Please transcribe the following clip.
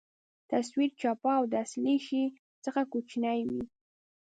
تصویر چپه او د اصلي شي څخه کوچنۍ وي.